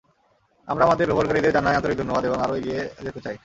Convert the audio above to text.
আমরা আমাদের ব্যবহারকারীদের জানাই আন্তরিক ধন্যবাদ এবং আরও এগিয়ে যেতে চাই।